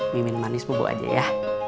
minum manis bubuk aja ya